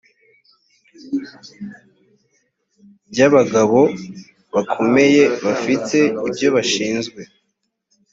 by abagabo bakomeye bafite ibyo bashinzwe